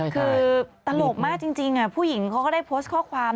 คือตลกมากจริงผู้หญิงเขาก็ได้โพสต์ข้อความ